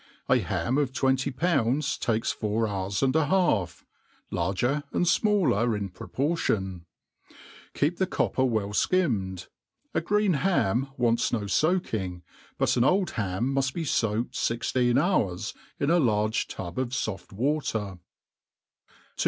A ham of twen ty ppunj^s takes four hours apd a half, larger and fmalkr ii^ proportion. Keep the copper well ikimmed. A green ham wants no fbaking, but an old ham muft be foak^d fifteen bour^i m a large tub of foft watpr# MADE PLAIN AtlD EAST.